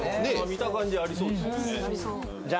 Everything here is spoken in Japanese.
見た感じありそうですよね